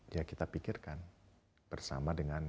ya kita pikirkan bersama dengan